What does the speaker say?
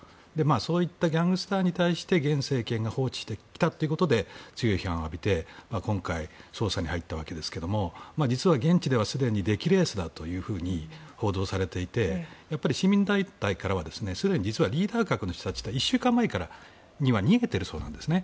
そういったギャングスターに対して現政権が放置してきたということで強い批判を浴びて今回、捜査に入ったわけですが実は現地では、すでに出来レースだというふうに報道されていてやはり市民団体からはすでにリーダー格の人たちが１週間前には逃げているそうなんですね。